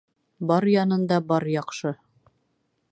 Бар янында бар яҡшы